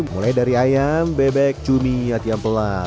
mulai dari ayam bebek cumi ayam pelat